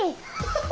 ハハハ。